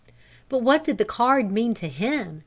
"But what did the card mean to him?